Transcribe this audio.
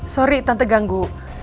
sorry tante ganggu